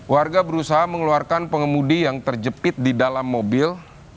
warga berusaha mengeluarkan pengemudi yang terjepit di dalam mobil